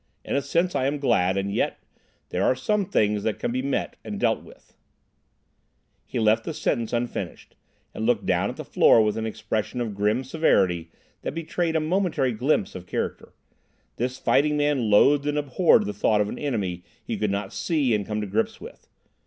In a sense I am glad, and yet—there are some things that can be met and dealt with—" He left the sentence unfinished, and looked down at the floor with an expression of grim severity that betrayed a momentary glimpse of character. This fighting man loathed and abhorred the thought of an enemy he could not see and come to grips with.